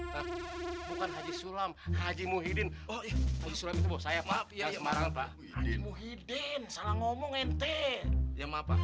bukan haji sulam haji muhyiddin oh iya saya pak haji muhyiddin salah ngomong ente ya maaf pak